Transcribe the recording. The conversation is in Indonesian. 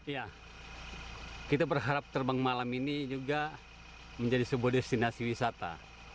ya kita berharap terbang malam ini juga menjadi sebuah destinasi wisata